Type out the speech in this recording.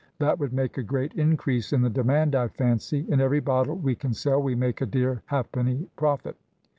That would make a great increase in the demand, I fancy, and every bottle we can sell, we make a dear halfpenny profit.